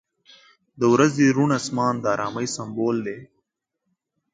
• د ورځې روڼ آسمان د آرامۍ سمبول دی.